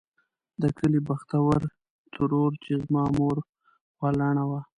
د کلي بختورې ترور چې زما مور خورلڼه وه.